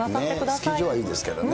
スキー場はいいんですけどね。